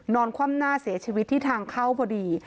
คว่ำหน้าเสียชีวิตที่ทางเข้าพอดี